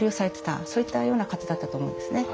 そういったような方だったと思うんですね。